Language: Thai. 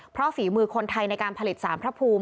เพราะฝีมือคนไทยในการผลิตสารพระภูมิ